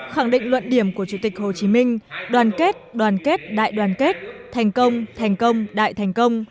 khẳng định luận điểm của chủ tịch hồ chí minh đoàn kết đoàn kết đại đoàn kết thành công thành công đại thành công